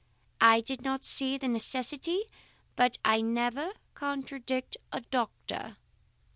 I did not see the necessity, but I never contradict a doctor.